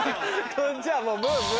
じゃあもうブブ。